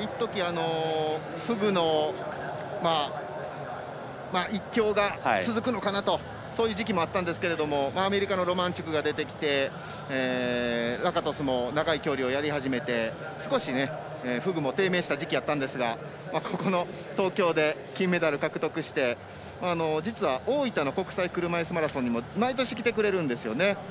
いっとき、フグの一強が続くのかなとそういう時期もあったんですけどアメリカのローマンチャックが出てきて、ラカトシュも長い距離をやり始めて少し、フグも低迷したときがあったんですがここの東京で金メダルを獲得して実は大分の国際車いすマラソンにも毎年、来てくれるんですよね。